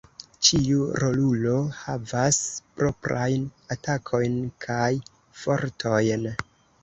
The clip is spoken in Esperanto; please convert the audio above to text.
Ĉiu rolulo havas proprajn atakojn kaj fortojn.